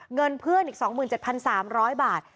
เงินเพื่อนอีก๒๗๓๐๐บาท